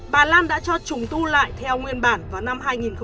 bà lan đã cho trùng tu lại theo nguyên bản vào năm hai nghìn một mươi